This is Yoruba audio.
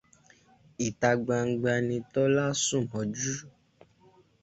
Ìta gbanlgba ni Tọ́lá sùn mọ́jú